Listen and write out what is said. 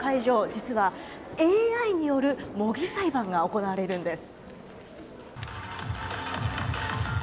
実はＡＩによる模擬裁判が行われるんです。